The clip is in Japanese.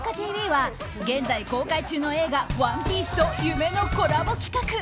ＴＶ」は現在公開中の映画「ＯＮＥＰＩＥＣＥ」と夢のコラボ企画。